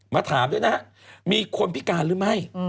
มาถามด้วยนะฮะมีคนพิการหรือไม่